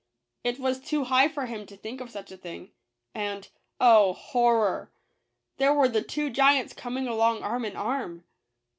It was too high for him to think of such a thing; and — oh, horror! — there were the two giants coming along arm in arm.